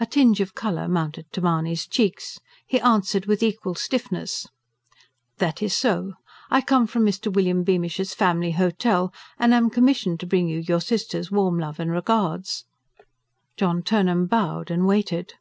A tinge of colour mounted to Mahony's cheeks. He answered with equal stiffness: "That is so. I come from Mr. William Beamish's 'Family Hotel,' and am commissioned to bring you your sister's warm love and regards." John Turnham bowed; and waited.